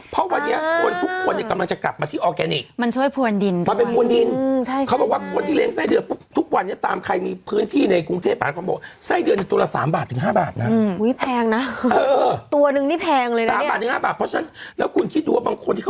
เพราะวันนี้ทุกคนจะกำลังจะกลับมาที่ออร์แกนิค